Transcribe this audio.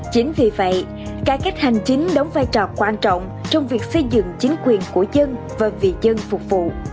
chính vì vậy cải cách hành chính đóng vai trò quan trọng trong việc xây dựng chính quyền của dân và vì dân phục vụ